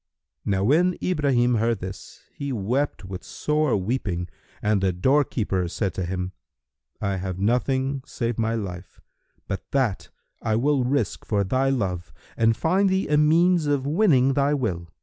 Now when Ibrahim heard this, he wept with sore weeping and the doorkeeper said to him, "I have nothing save my life; but that I will risk for thy love and find thee a means of winning thy will."